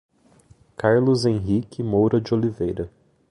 Carlos Henrique Moura de Oliveira